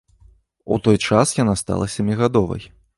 У той час яна стала сямігадовай.